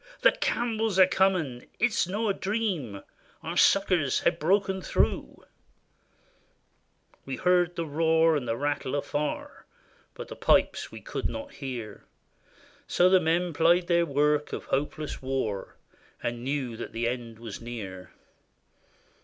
* The Campbells are comin' '? It 's no a dream ; Our succors hae broken through !" We heard the roar and the rattle afar, But the pipes we could not hear; So the men plied their work of hopeless war, And knew that the end was near.